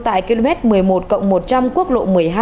tại km một mươi một cộng một trăm linh quốc lộ một mươi hai